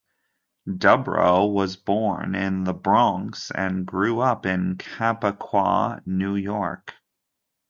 Dubrow was born in the Bronx and grew up in Chappaqua, New York.